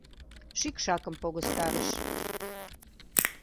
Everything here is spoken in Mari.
Шӱкшакым погыстарыш.